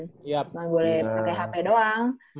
gak boleh pake hp doang